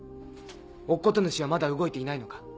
乙事主はまだ動いていないのか？